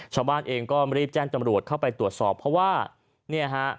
ชาวบ้านเองก็รีบแจ้งจำรวจเข้าไปตรวจสอบเพราะว่าเนี่ยฮะ